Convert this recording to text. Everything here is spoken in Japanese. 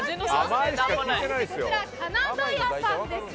こちら、金田屋さんです。